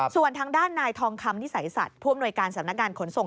ส่วนทางด้านนายทองคำนิสัยสัตว์ผู้อำนวยการสำนักงานขนส่ง